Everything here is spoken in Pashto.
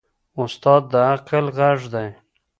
استاد د عقل غږ دی.